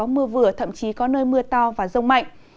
mưa to và rông mạnh